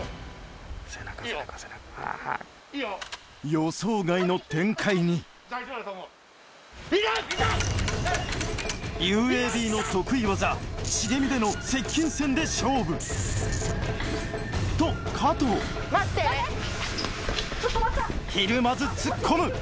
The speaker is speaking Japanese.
予想外の展開にＵＡＢの得意技茂みでの接近戦で勝負と加藤ひるまず突っ込む！